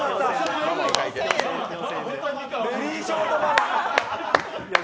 ベリーショートママ。